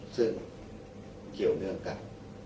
ซึ่งเกี่ยวเนื่องกัน